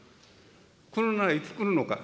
来るならいつ来るのか。